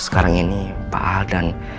sekarang ini pak al dan